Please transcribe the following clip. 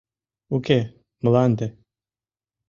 — Уке, мланде.